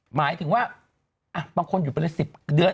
หมายถึงว่าบางคนหยุดไปเลย๑๐เดือน